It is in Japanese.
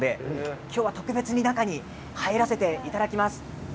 今日は特別に中に入らせていただきます。